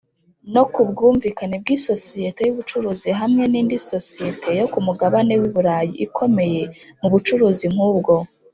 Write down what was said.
no ku bwumvikane bw’isosiyete y’ ubucuruzi hamwe nindi sosiyete yo kumugabane w’Iburayi ikomeye mu bucuruzi nkubwo.